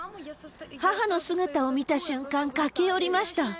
母の姿を見た瞬間、駆け寄りました。